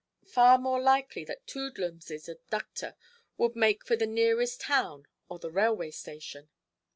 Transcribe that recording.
Far more likely that Toodlums' abductor would make for the nearest town or the railway station.